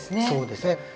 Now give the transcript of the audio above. そうですね。